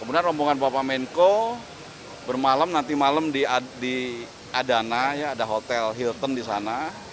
kemudian rombongan bapak menko bermalam nanti malam di adana ya ada hotel hilton di sana